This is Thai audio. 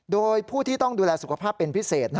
โดยผู้ที่ต้องดูแลสุขภาพเป็นพิเศษ